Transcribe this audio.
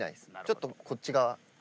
ちょっとこっち側。